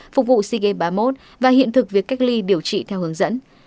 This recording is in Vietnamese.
phục vụ sea games ba mươi một và hiện thực việc cách ly điều trị theo hướng dẫn